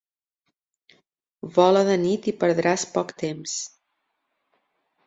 Vola de nit i perdràs poc temps.